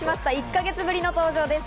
１か月ぶりの登場です。